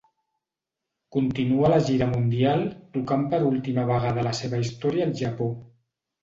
Continua la gira mundial tocant per última vegada a la seva història al Japó.